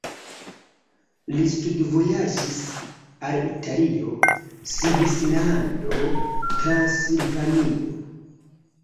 Li studvojaĝis al Italio, Svislando, Transilvanio.